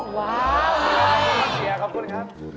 ว้าวขอบคุณครับ